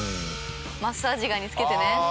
マッサージガンに付けてね。